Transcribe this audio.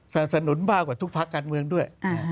สนับสนุนมากกว่าทุกภาคการเมืองด้วย